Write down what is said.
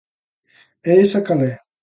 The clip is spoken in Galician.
E esa cal é?